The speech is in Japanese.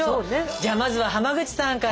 じゃまずは浜口さんから。